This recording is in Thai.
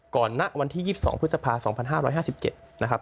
ณวันที่๒๒พฤษภา๒๕๕๗นะครับ